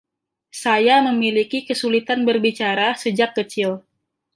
Saya memiliki kesulitan berbicara sejak kecil.